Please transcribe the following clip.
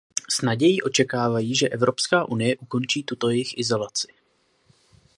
S nadějí očekávají, že Evropská unie ukončí tuto jejich izolaci.